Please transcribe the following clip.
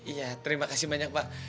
iya terima kasih banyak pak